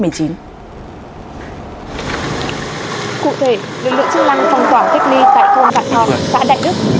cụ thể lực lượng chức năng phòng tỏa cách ly tại thôn vạn ngọc xã đại đức